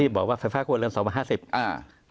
บอกว่าปลุ่งภาคธุระเรือน๒บาท๕๐